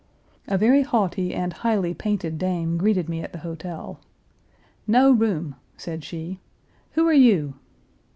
A very haughty and highly painted dame greeted me at the hotel. "No room," said she. "Who are you?"